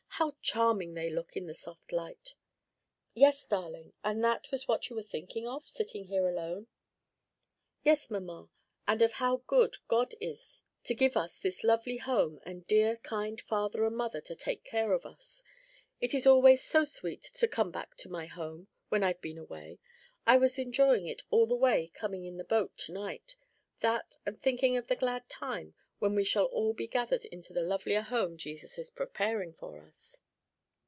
how charming they look in the soft light." "Yes, darling: and that was what you were thinking of, sitting here alone?" "Yes, mamma; and of how good God is to us to give us this lovely home and dear, kind father and mother to take care of us. It is always so sweet to come back to my home when I've been away. I was enjoying it all the way coming in the boat to night; that and thinking of the glad time when we shall all be gathered into the lovelier home Jesus is preparing for us."